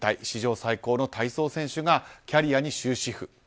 史上最高の体操選手がキャリアに終止符。